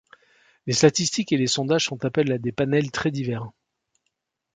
Les statistiques et les sondages font appel à des panels très divers.